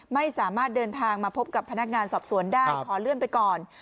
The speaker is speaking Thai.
ไม่สามารถเดินทางมาพบกับพนักงานสอบสวนได้ขอเลื่อนไปก่อน